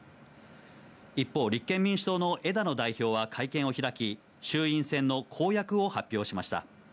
一方、立憲民主党の枝野代表は会見を開き、衆院選の公約を発表しました。